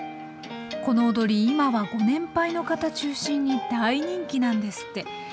この踊り今はご年配の方中心に大人気なんですって。